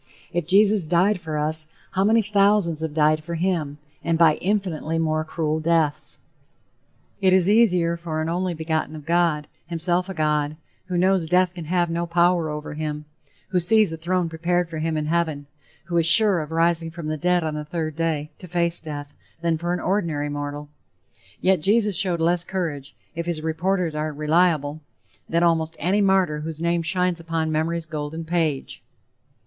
If Jesus died for us, how many thousands have died for him and by infinitely more cruel deaths? It is easier for an "only begotten" of God, himself a God who knows death can have no power over him who sees a throne prepared for him in heaven who is sure of rising from the dead on the third day to face death, than for an ordinary mortal. Yet Jesus showed less courage, if his reporters are reliable, than almost any martyr whose name shines upon memory's golden page.